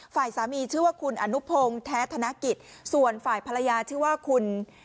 ฝ่ายสามีชื่อว่าคุณอนุพงศ์แท้ธนกิจส่วนฝ่ายภรรยาชื่อว่าคุณ